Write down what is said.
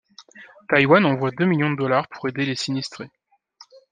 Taïwan envoie deux millions de dollars pour aider les sinistrés.